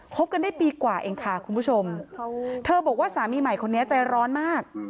บกันได้ปีกว่าเองค่ะคุณผู้ชมเธอบอกว่าสามีใหม่คนนี้ใจร้อนมาก